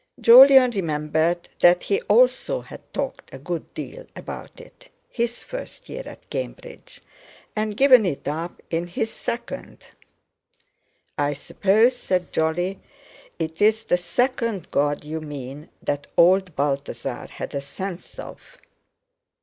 Jolyon remembered that he also had talked a good deal about it his first year at Cambridge, and given it up in his second. "I suppose," said Jolly, "it's the second God, you mean, that old Balthasar had a sense of."